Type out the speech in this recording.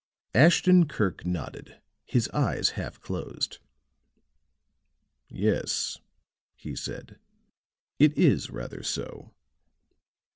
Ashton Kirk nodded, his eyes half closed. "Yes," he said, "it is rather so.